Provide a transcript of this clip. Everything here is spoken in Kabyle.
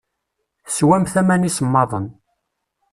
Teswamt aman isemmaḍen.